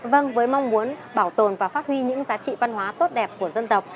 vâng với mong muốn bảo tồn và phát huy những giá trị văn hóa tốt đẹp của dân tộc